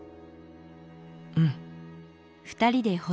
「うん」。